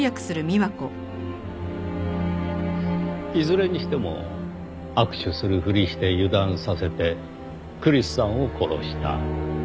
いずれにしても握手するふりして油断させてクリスさんを殺した。